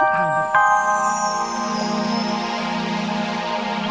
tidak ada apa apa